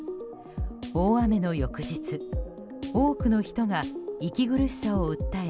大雨の翌日多くの人が息苦しさを訴え